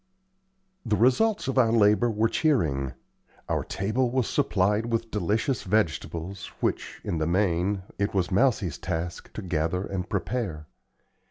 The results of our labor were cheering. Our table was supplied with delicious vegetables, which, in the main, it was Mousie's task to gather and prepare.